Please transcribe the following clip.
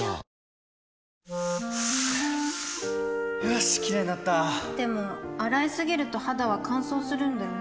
よしキレイになったでも、洗いすぎると肌は乾燥するんだよね